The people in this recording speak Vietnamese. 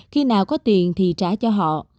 khi nào có tiền thì trả cho họ